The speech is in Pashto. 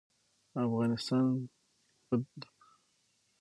افغانستان په ښتې غني دی.